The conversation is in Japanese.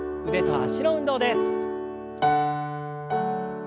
腕と脚の運動です。